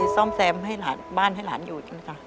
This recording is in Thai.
ซ่อมแซมบ้านให้หลานอยู่